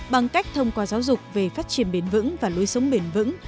bằng cách thông qua giáo dục về phát triển bền vững và lối sống bền vững